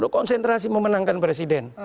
lu konsentrasi memenangkan presiden